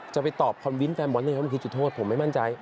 จะไปตอบคอนวินแฟนบอนด์ว่ามันคือจุดโทษผมไม่มั่นใจ